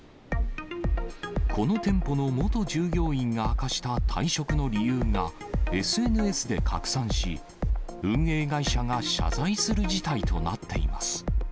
この店舗の元従業員が明かした退職の理由が、ＳＮＳで拡散し、運営会社が謝罪する事態となっています。